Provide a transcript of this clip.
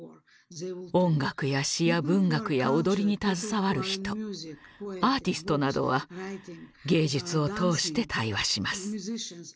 音楽や詩や文学や踊りに携わる人アーティストなどは芸術を通して対話します。